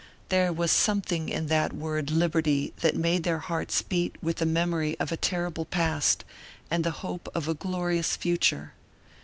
There was something in that word liberty that made their hearts beat with the memory of a terrible past and the hope of a glorious future.